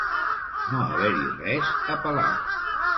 No haver-hi res a pelar.